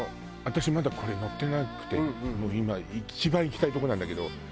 私まだこれ乗ってなくて今一番行きたいとこなんだけど。